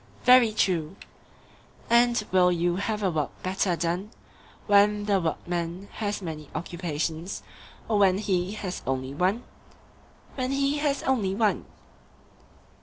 Very true. And will you have a work better done when the workman has many occupations, or when he has only one? When he has only one.